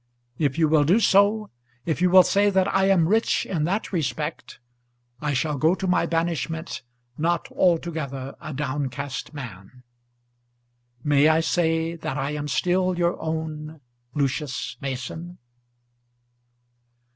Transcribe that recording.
If you will do so, if you will say that I am rich in that respect, I shall go to my banishment not altogether a downcast man. May I say that I am still your own LUCIUS MASON?